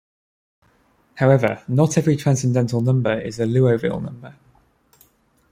However, not every transcendental number is a Liouville number.